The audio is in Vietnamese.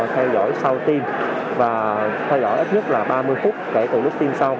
theo dõi sau tiêm và theo dõi ít nhất là ba mươi phút kể từ lúc tiêm xong